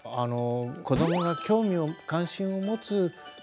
子どもが興味・関心を持つもの。